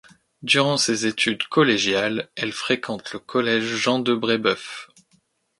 Durant ses études collégiales, elle fréquente le Collège Jean-de-Brébeuf.